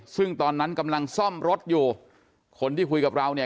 ซึ่งตอนนั้นกำลังซ่อมรถอยู่คนที่คุยกับเราเนี่ย